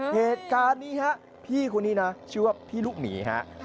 เหตุการณ์นี้ฮะพี่คนนี้นะชื่อว่าพี่ลูกหมีฮะ